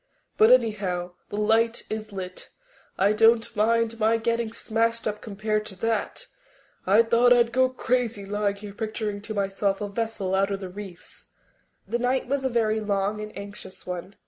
But, anyhow, the light is lit. I don't mind my getting smashed up compared to that. I thought I'd go crazy lying here picturing to myself a vessel out on the reefs." That night was a very long and anxious one.